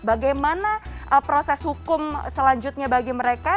bagaimana proses hukum selanjutnya bagi mereka